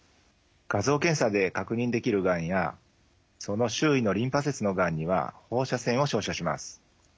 画像検査で確認できるがんやその周囲のリンパ節のがんには放射線を照射します。